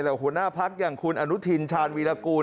และหัวหน้าพักอย่างคุณอนุทินชาญวีรกูล